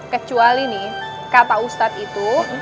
kecuali nih kata ustadz itu